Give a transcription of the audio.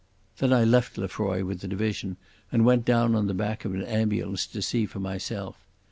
Then I left Lefroy with the division and went down on the back of an ambulance to see for myself.